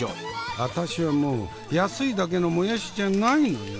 「アタシはもう安いだけのもやしじゃないのよ」。